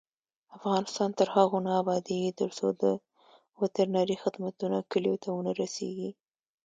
افغانستان تر هغو نه ابادیږي، ترڅو د وترنري خدمتونه کلیو ته ونه رسیږي.